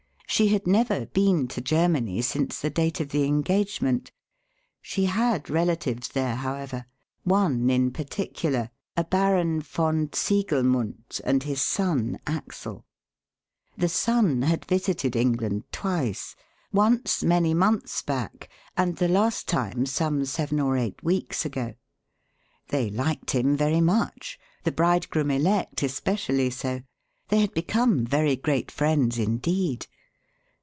She had never been to Germany since the date of the engagement. She had relatives there, however; one in particular a Baron von Ziegelmundt and his son Axel. The son had visited England twice once many months back, and the last time some seven or eight weeks ago. They liked him very much the bridegroom elect especially so. They had become very great friends indeed.